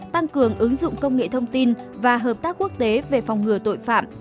tăng cường ứng dụng công nghệ thông tin và hợp tác quốc tế về phòng ngừa tội phạm